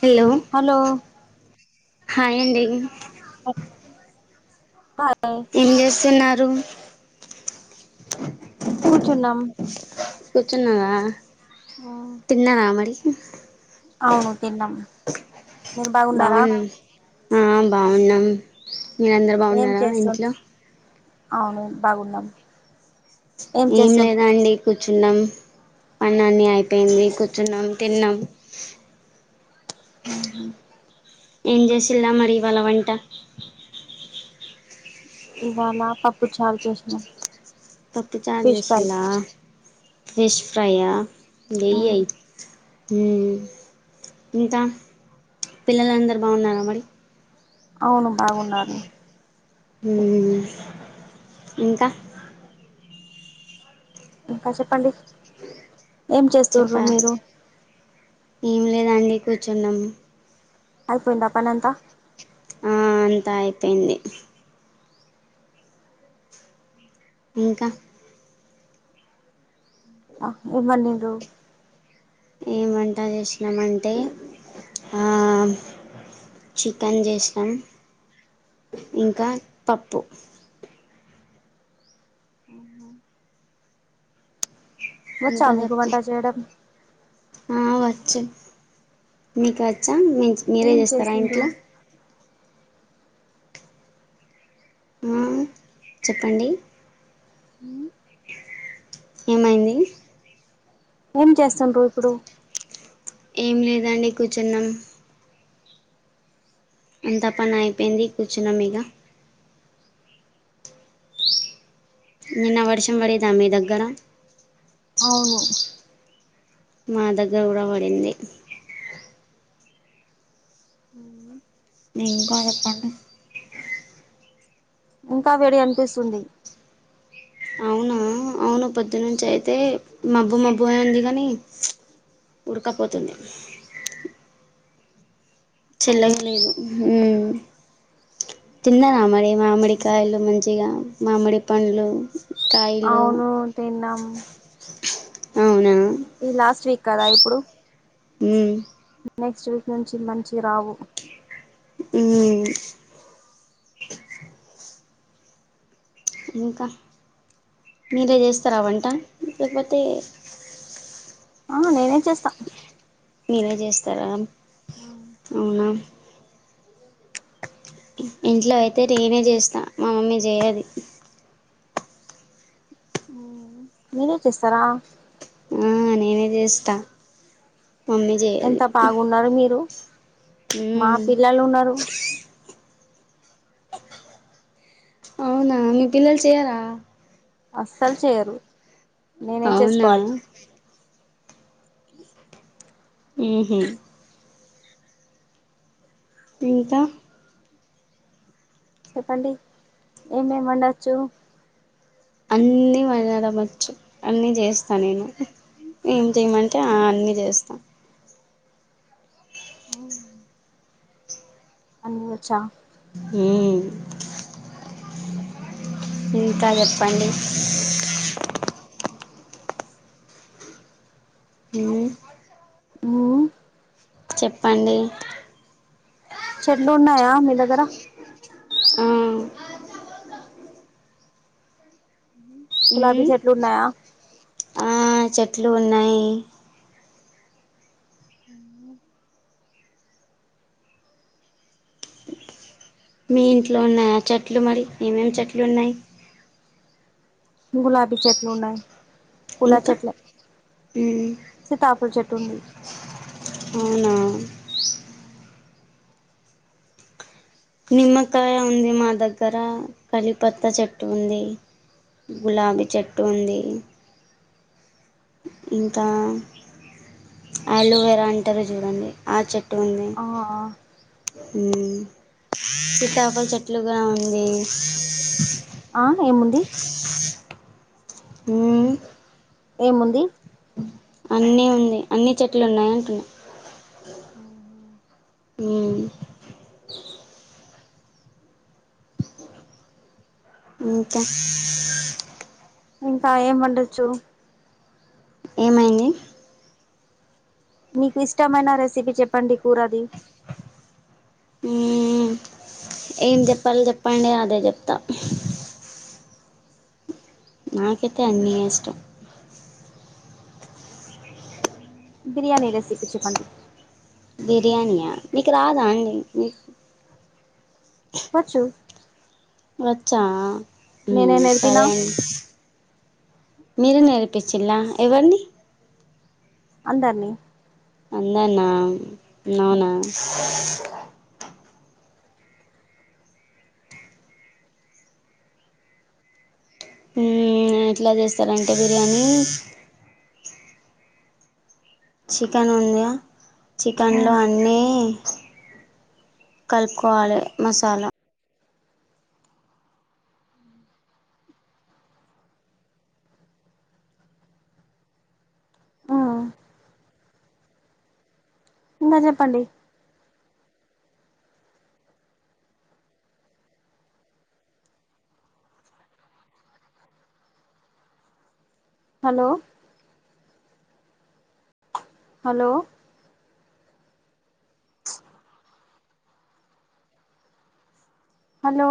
Hello hello hi అండి ఆ ఏం చేస్తున్నారు. కూర్చున్నాం కూర్చున్నావా తిన్నారా మరి అవును తిన్నాం మీరు బాగున్నారా బాగున్నాం ఆ బావున్నాం మీరందరు ఏం బావున్నారా చేస్తుంటు ఇంట్లో అవును బాగున్నాం ఏం లేదండి కూర్చున్నాం పన్లన్ని అయిపోయింది కూర్చున్నాం తిన్నాం ఆహా ఏం జేసిల్లా మరి ఇవాల వంట ఇవాళ పప్పుచారు చేసినా పప్పుచార్ జేసిల్ల ఫిష్ ఫ్రై ఆ లేయ్ అయ్ మ్ ఇంకా పిల్లలందరూ బావున్నారా మరి అవును బాగున్నారు మ్ ఇంకా ఇంకా చెప్పండి ఏం చేస్తుర్రు చెప్పా మీరు ఏం లేదండి కూర్చున్నాం అయిపోయిందా పనంతా ఆ అంతా అయిపోయింది ఇంకా ఏం వండిడ్రు ఏమ్ వంట చేసినామంటే ఆ చికెన్ చేసిన్నం ఇంకా పప్పు వచ్చా ఇంకా మీకు వంట చెప్పు చేయడం ఆ వచ్చు మీకు వచ్చా మీరే ఏం చేస్తారా చేసిండ్రు ఇంట్లో ఆ చెప్పండి మ్ ఏమైంది ఏం చేస్తండ్రు ఇప్పుడు ఏం లేదండి కూర్చున్నాం అంతా పని అయిపోయింది కూర్చున్నాం ఇగ నిన్న వర్షం పడిందా మీ దగ్గర అవును మా దగ్గర కూడా పడింది ఇంకా చెప్పండి ఇంకా వేడిగనిపిస్తుంది అవునా అవును పొద్దు నుంచి అయితే మబ్బు మబ్బుగే ఉంది కాని ఉడకపోతుంది అవును చల్లగ లేదు ఊ తిన్నారా మరి మామిడి కాయలు మంచిగా మామిడి పండ్లు కాయిలు అవును తిన్నాం అవునా ఈ లాస్ట్ వీక్ కదా ఇప్పుడు మ్మ్ నెక్స్ట్ వీక్ నుంచి మంచిగ రావు హ్మ్మ్ ఇంకా మీరే చేస్తరా వంట లేకపోతే ఆ నేనే చేస్తా మీరే చేస్తారా అవునా ఇంట్లో అయితే నేనే చేస్తా మామమ్మీ చేయదీ ఊ మీరే చేస్తారా ఆ నేనేే చేస్తా మమ్మీ చేయది ఎంత బాగున్నారు మీరు మా మ్మ్ పిల్లలు ఉన్నారు అవునా మీ పిల్లలు చెయ్యరా అస్సలు చెయ్యరు నేనే అవునా చేసుకోవాలి ఉహూ ఇంకా చెప్పండి ఏమేం వండొచ్చు అన్ని మళ్ళ వండచ్చు అన్నిచేస్తా నేను ఏం చేయమంటే అ అన్ని చేస్తాం అవునా అన్నీ వచ్చా ఊ ఇంకా చెప్పండి ఊ ఊ చెప్పండి చెట్లు ఉన్నాయా మీ దగ్గర ఆ గులాబీ మ్మ్ చెట్లున్నాయా ఆ చెట్లు ఉన్నాయి ఉమ్ మీ ఇంట్లో ఉన్నయా చెట్లు మరి ఏమేమి చెట్లు ఉన్నాయి గులాబీ చెట్లున్నాయి ఇంకా హ్మ్మ్ సీతాఫల్ చెట్టు ఉంది అవునా నిమ్మకాయ ఉంది మా దగ్గర కలిపత్త చెట్టు ఉంది గులాబీ చెట్టు ఉంది ఇంకా అలువేరా అంటారు చూడండి ఆ చెట్ ఆఆ హ్మ్మ్ సితాపల్ చెట్లు కూడా ఉంది అవునా అండి ఉ ఏముంది అన్నీ ఉంది అన్నిీ చెట్లు ఉన్నాయి అంటున్నా ఆ మ్ ఇంక ఇంకా ఏం వండొచ్చు ఏమైంది నీకు ఇష్టమైన రెసిపీ చెప్పండి కూరది ఉమ్, ఏం చెప్పలోి చెప్పండి అదే చెప్తా నాకైతే అన్ని ఇష్టం బిర్యాణి రెసిపీ చెప్పంది బిరియనీయా మీక రాదండి వచ్చు వచ్చా నేనే ఉమ్ నేర్పిన సరే అండి మీరు నేర్పించలలా ఎవరిని అందర్నీ అందర్నా నవునా ఎట్లా చేస్తారంటే బిర్యానీ చికెన్ ఉంద చికెన్లో ఉమ్ అన్నీ కలుపు కోవాలె మసాలా ఆ ఇంక చెప్పండి హలో హలో హలో